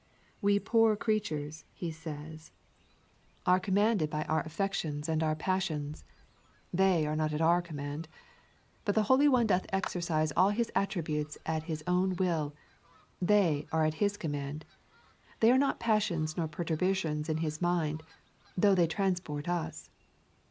'We poor creatures,' he says, 'are commanded by our affections and passions. They are not at our command. But the Holy One doth exercise all His attributes at His own will; they are at His command; they are not passions nor perturbations in His mind, though they transport us.